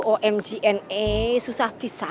omg susah pisah